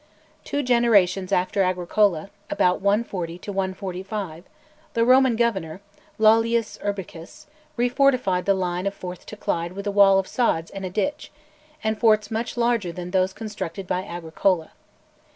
Two generations after Agricola, about 140 145, the Roman Governor, Lollius Urbicus, refortified the line of Forth to Clyde with a wall of sods and a ditch, and forts much larger than those constructed by Agricola.